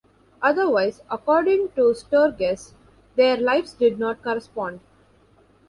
Otherwise, according to Sturges, their lives did not correspond.